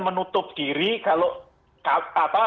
menutup diri kalau